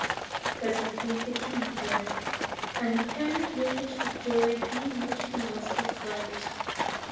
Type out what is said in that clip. Presently the King appeared, and the parrot noticed with joy how much he was disliked.